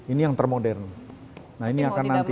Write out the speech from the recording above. ini yang termodern nah ini akan nanti